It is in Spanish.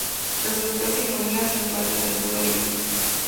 La subespecie nominal se encuentra en el sur de la India.